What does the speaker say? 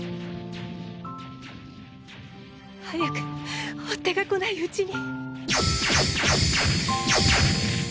早く追っ手が来ないうちに。